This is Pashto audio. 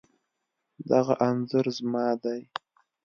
دغه انځور زما دی